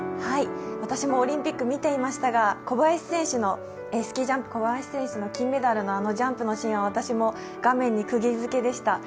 私もオリンピック見ていましたが、スキージャンプ・小林選手の金メダルのあのジャンプのシーンは私も画面にクギづけでした。